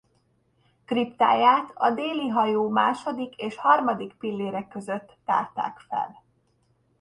Kriptáját a déli hajó második és harmadik pillére között tárták fel.